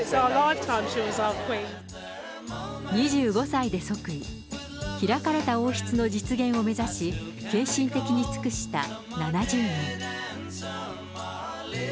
２５歳で即位、開かれた王室の実現を目指し、献身的に尽くした７０年。